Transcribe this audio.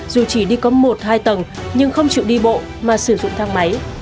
dù chỉ đi có một hai tầng nhưng không chịu đi bộ mà sử dụng thang máy